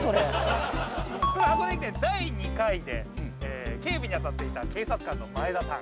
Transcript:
箱根駅伝第２回で警備に当たっていた警察官の前田さん